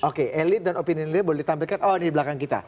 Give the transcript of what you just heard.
oke elit dan opinion lea boleh ditampilkan oh di belakang kita